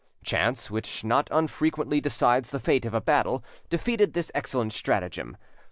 Chance, which not unfrequently decides the fate of a battle, defeated this excellent stratagem.